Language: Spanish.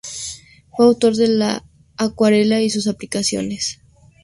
Fue autor de "La acuarela y sus aplicaciones".